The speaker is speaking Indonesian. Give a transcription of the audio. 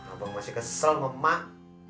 abang masih kesel sama emak